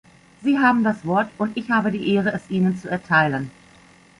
Sie haben das Wort, und ich habe die Ehre, es Ihnen zu erteilen.